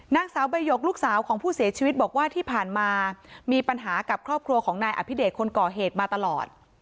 นางสาวใบหยกลูกสาวของผู้เสียชีวิตบอกว่าที่ผ่านมามีปัญหากับครอบครัวของนายอภิเดชคนก่อเหตุมาตลอด